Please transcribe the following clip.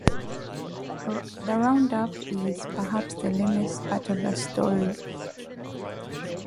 The round-up is perhaps the lamest part of the story.